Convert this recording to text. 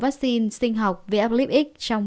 vaccine sinh học v lib x trong